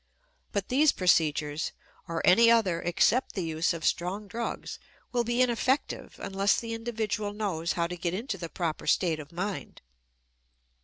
But these procedures, or any other except the use of strong drugs, will be ineffective unless the individual knows how to get into the proper state of mind.